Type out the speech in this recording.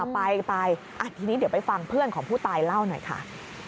ไปทีนี้เดี๋ยวไปฟังเพื่อนของผู้ตายเล่าหน่อยค่ะ